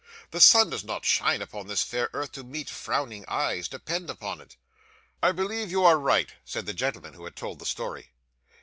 The sun does not shine upon this fair earth to meet frowning eyes, depend upon it.' 'I believe you are right,' said the gentleman who had told the story.